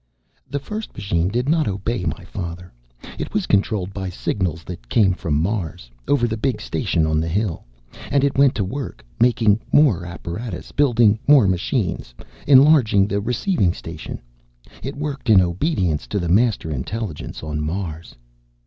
"The first machine did not obey my father. It was controlled by signals that came from Mars, over the big station on the hill. And it went to work, making more apparatus, building more machines, enlarging the receiving station. It worked in obedience to the Master Intelligence on Mars!